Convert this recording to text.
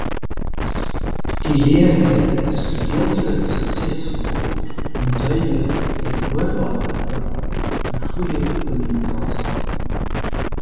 Die leerder is gedeeltelik suksesvol om duidelik en hoorbaar te praat vir goeie kommunikasie.